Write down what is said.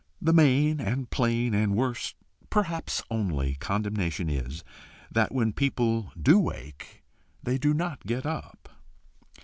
The main and plain and worst, perhaps only condemnation is that when people do wake they do not get up.